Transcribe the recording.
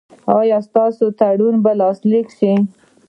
ایا ستاسو تړون به لاسلیک شي؟